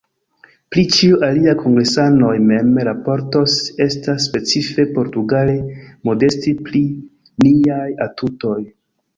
Pri ĉio alia kongresanoj mem raportos — estas specife portugale modesti pri niaj atutoj.